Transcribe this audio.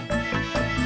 gak ada de